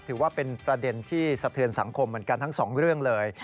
ถือว่าเป็นประเด็นที่สะเทือนสังคมเหมือนกันทั้งสองเรื่องเลย